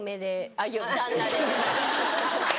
あっ「旦那」で。